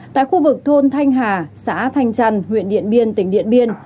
tại khu vực thôn thanh hà xã thanh trăn huyện điện biên tỉnh điện biên